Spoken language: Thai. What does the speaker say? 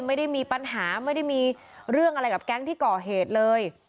ไม่ได้มีปัญหาไม่ได้มีเรื่องอะไรกับแก๊งที่ก่อเหตุเลย